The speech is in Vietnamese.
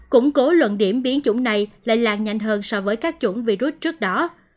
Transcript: củng cố luận điểm biến chủng này lại lan nhanh hơn so với các chủng virus trước đó